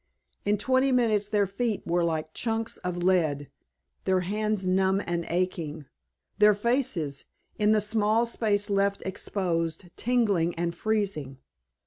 In twenty minutes their feet were like chunks of lead, their hands numb and aching, their faces, in the small space left exposed, tingling and freezing.